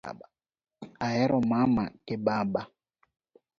Ahero mama gi baba